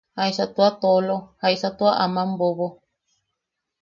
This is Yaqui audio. ¿Jaisa tua toolo, jaisa tua aman bobo?